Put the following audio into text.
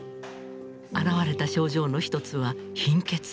現れた症状の一つは貧血。